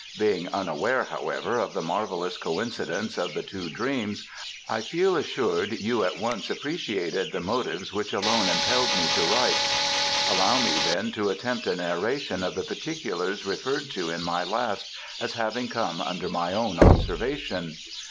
Being unaware, however, of the marvellous coincidence of the two dreams, I feel assured you at once appreciated the motives which alone impelled me to write. Allow me, then, to attempt a narration of the particulars referred to in my last, as having come under my own observation.